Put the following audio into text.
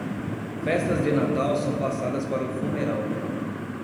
Festas de Natal são passadas para o fumeral.